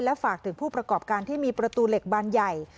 ฝากถึงผู้ประกอบการที่มีประตูเหล็กบานใหญ่